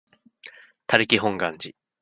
他力本願寺